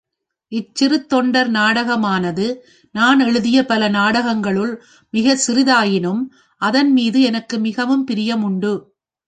இச்சிறுத்தொண்டர் நாடகமானது நான் எழுதிய பல நாடகங்களுள் மிகச் சிறியதாயினும், அதன்மீது எனக்கு மிகவும் பிரியம் உண்டு.